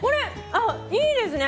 いいですね。